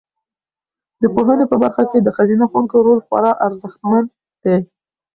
د پوهنې په برخه کې د ښځینه ښوونکو رول خورا ارزښتمن دی.